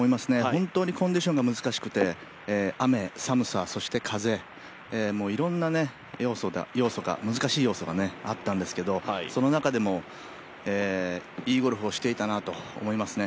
本当にコンディションが難しくて雨、寒さ、そして風、いろんな難しい要素があったんですけどその中でもいいゴルフをしていたなと思いますね。